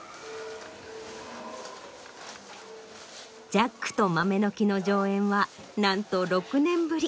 『ジャックと豆の木』の上演はなんと６年ぶり。